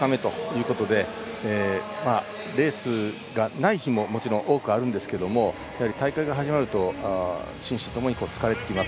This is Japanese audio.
レースがない日ももちろん多くあるんですけれどもやはり大会が始まると心身ともに疲れてきます。